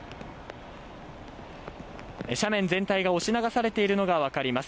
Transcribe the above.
斜面全体が押し流されているのがわかります。